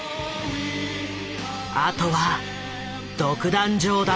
あとは独壇場だった。